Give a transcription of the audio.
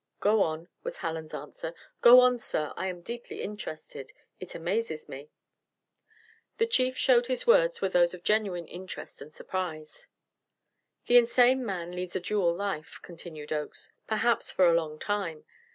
"Go on," was Hallen's answer; "go on, sir. I am deeply interested it amazes me." The Chief showed his words were those of genuine interest and surprise. "The insane man leads a dual life," continued Oakes, "perhaps for a long time.